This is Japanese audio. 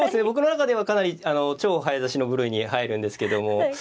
僕の中ではかなり超早指しの部類に入るんですけども。